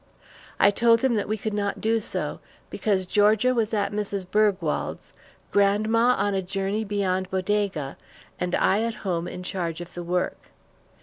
I told him that we could not do so, because Georgia was at Mrs. Bergwald's, grandma on a journey beyond Bodego, and I at home in charge of the work.